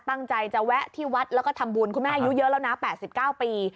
ตั้งใจจะแวะที่วัดแล้วก็ทำบุญคุณแม่อายุเยอะแล้วนะ๘๙ปี